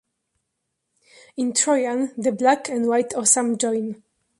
In Troyan, the black and white Osam join.